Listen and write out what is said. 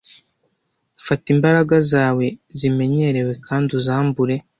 Fata imbaraga zawe zimenyerewe kandi uzambure